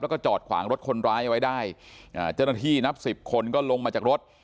แล้วก็จอดขวางรถคนร้ายเอาไว้ได้เจ้าหน้าที่นับสิบคนก็ลงมาจากรถ